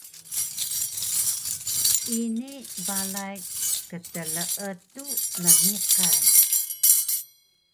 Ini balay ktleetu nniqan